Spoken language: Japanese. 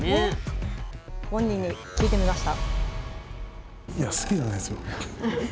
本人に聞いてみました。